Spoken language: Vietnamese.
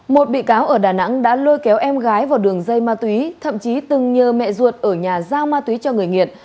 một bị cáo ở đà nẵng đã lôi kéo em gái vào đường dây ma túy thậm chí từng nhờ mẹ ruột ở nhà giao ma túy cho người nghiện